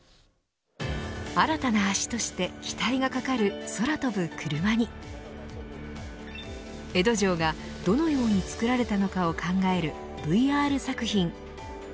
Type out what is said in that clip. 新たな足として期待がかかる空飛ぶ車に江戸城がどのように造られたのかを考えるＶＲ作品。